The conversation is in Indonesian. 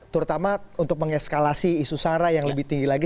terutama untuk mengekskalasi isu sarah yang lebih tinggi lagi